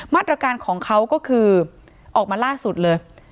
มาตรการของเขาก็คือออกมาล่าสุดเลย